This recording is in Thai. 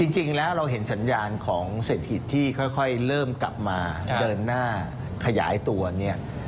จริงแล้วเราเห็นสัญญาณของเศรษฐกิจที่ค่อยเริ่มกลับมาเดินหน้าขยายตัวเนี่ย